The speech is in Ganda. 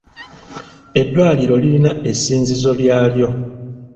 Eddwaliro lirina essinzizo lyalyo.